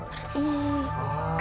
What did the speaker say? ああ。